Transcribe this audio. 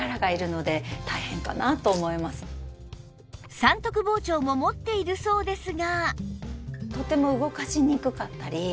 三徳包丁も持っているそうですが